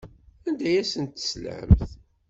Anda ay asent-teslamt?